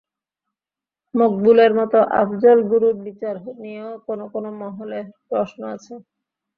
মকবুলের মতো আফজল গুরুর বিচার নিয়েও কোনো কোনো মহলে প্রশ্ন আছে।